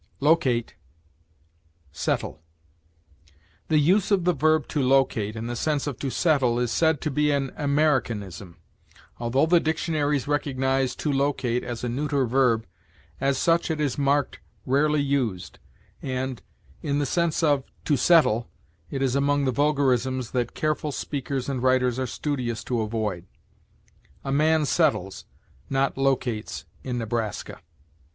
LOCATE SETTLE. The use of the verb to locate in the sense of to settle is said to be an Americanism. Although the dictionaries recognize to locate as a neuter verb, as such it is marked "rarely used," and, in the sense of to settle, it is among the vulgarisms that careful speakers and writers are studious to avoid. A man settles, not locates, in Nebraska.